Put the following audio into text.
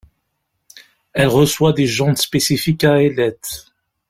Elle reçoit des jantes spécifiques à ailettes.